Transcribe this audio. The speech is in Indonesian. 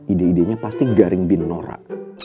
ide idenya pasti garing bin nora